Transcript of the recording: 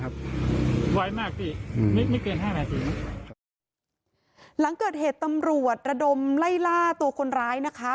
หลังเกิดเหตุตำรวจระดมไล่ล่าตัวคนร้ายนะคะ